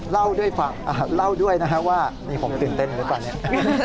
เล่าด้วยนะครับว่านี่ผมตื่นเต้นดูหนึ่ง